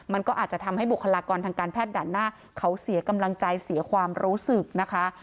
มันก็อาจจะทำให้บุคลากรทางการแพทย์ด่านหน้าเขาเสียกำลังใจเสียความรู้สึกนะคะ